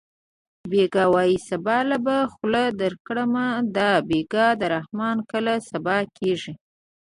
بېګا وایې سبا له به خوله درکړم دا بېګا د رحمان کله سبا کېږي